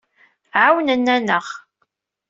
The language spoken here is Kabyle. Ɛawnen-aneɣ.